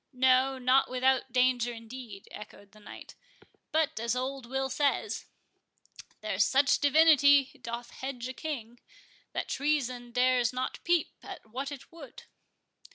"No, not without danger, indeed," echoed the knight; "but, as old Will says,— 'There's such divinity doth hedge a king, That treason dares not peep at what it would.